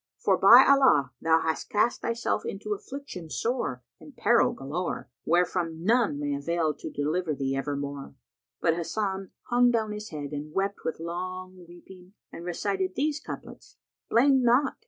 For, by Allah, thou hast cast thyself into affliction sore and peril galore, wherefrom none may avail to deliver thee evermore!" But Hasan hung down his head and wept with long weeping and recited these couplets, "'Blame not!'